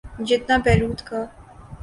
جتنا بیروت کا۔